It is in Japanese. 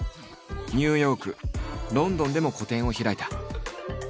ニューヨークロンドンでも個展を開いた。